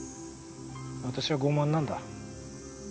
私は傲慢なんだ。